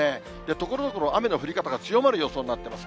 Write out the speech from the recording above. ところどころ雨の降り方が強まる予想になってます。